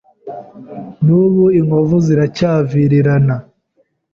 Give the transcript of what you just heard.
N’ubu inkovu ziracyavirirana